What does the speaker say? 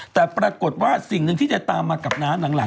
แต่ปรากฏว่าสิ่งหนึ่งที่จะตามมากับน้าหลัง